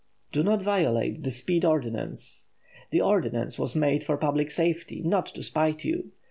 Do not violate the speed ordinance. The ordinance was made for public safety, not to spite you.